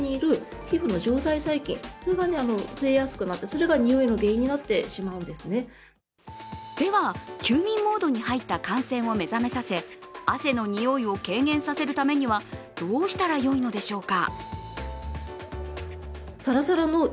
汗腺が休眠モードのまま春に汗をかき始めるとでは休眠モードに入った汗腺を目覚めさせ汗のにおいを軽減させるためにはどうしたらよいのでしょうか。